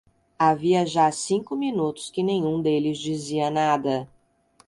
Havia já cinco minutos que nenhum deles dizia nada.